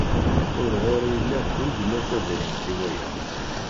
Ur ɣur-i la akud la tadrimt i waya